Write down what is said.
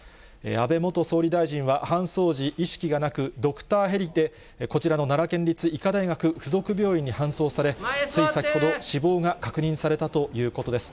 安倍元総理大臣は搬送時、意識がなく、ドクターヘリでこちらの奈良県立医科大学附属病院に搬送され、つい先ほど、死亡が確認されたということです。